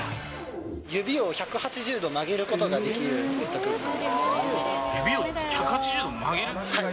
指を１８０度曲げることがで指を１８０度曲げる？